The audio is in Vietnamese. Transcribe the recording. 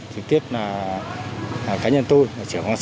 trực tiếp là tài nạn xã hội tài nạn trộn góc tài nạn nghiện hút